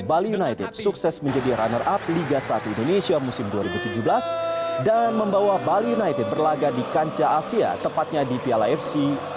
bali united sukses menjadi runner up liga satu indonesia musim dua ribu tujuh belas dan membawa bali united berlaga di kanca asia tepatnya di piala fc dua ribu delapan belas